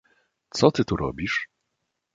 "Co ty tu robisz?"